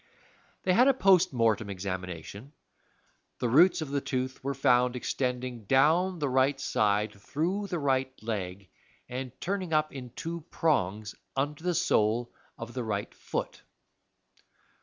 They had a post mortem examination the roots of the tooth were found extending down the right side, through the right leg, and turning up in two prongs under the sole of the right foot!